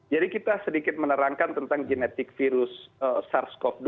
jadi kita sedikit menerangkan tentang genetik virus sars cov dua